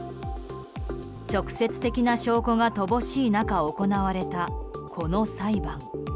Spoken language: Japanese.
直接的な証拠が乏しい中行われたこの裁判。